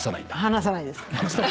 離さないです。